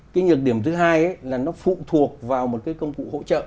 cái nhược điểm thứ hai là nó phụ thuộc vào một cái công cụ hỗ trợ